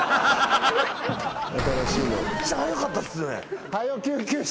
めっちゃ速かったっすよね。